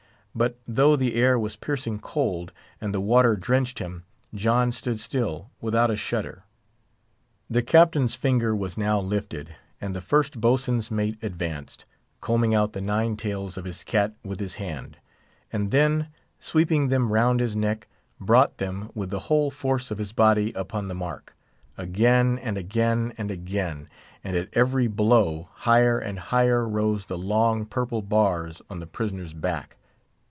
But though the air was piercing cold, and the water drenched him, John stood still, without a shudder. The Captain's finger was now lifted, and the first boatswain's mate advanced, combing out the nine tails of his cat with his hand, and then, sweeping them round his neck, brought them with the whole force of his body upon the mark. Again, and again, and again; and at every blow, higher and higher rose the long, purple bars on the prisoner's back.